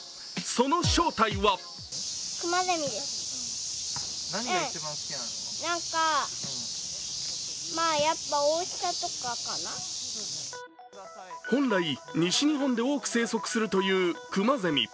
その正体は本来、西日本で多く生息するというクマゼミ。